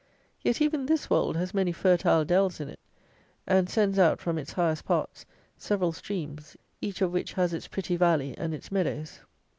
Yet, even this Wold has many fertile dells in it, and sends out, from its highest parts, several streams, each of which has its pretty valley and its meadows.